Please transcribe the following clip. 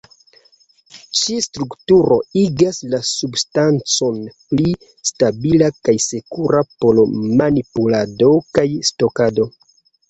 Ĉi-strukturo igas la substancon pli stabila kaj sekura por manipulado kaj stokado.